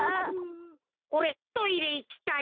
おれトイレいきたい。